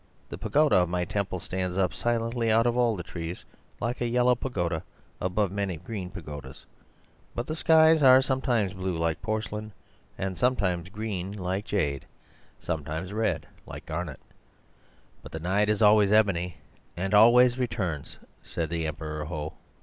The pagoda of my temple stands up silently out of all the trees, like a yellow pagoda above many green pagodas. But the skies are sometimes blue like porcelain, and sometimes green like jade, and sometimes red like garnet. But the night is always ebony and always returns, said the Emperor Ho.